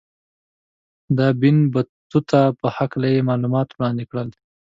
د ابن بطوطه په هکله یې معلومات وړاندې کړل.